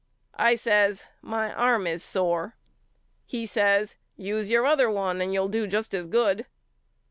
I says My arm is sore. He says Use your other one and you'll do just as good.